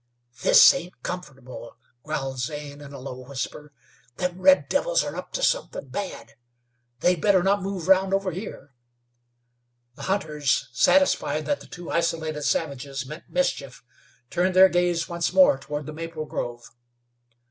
"This ain't comfortable," growled Zane, in a low whisper. "Them red devils are up to somethin' bad. They'd better not move round over here." The hunters, satisfied that the two isolated savages meant mischief, turned their gaze once more toward the maple grove.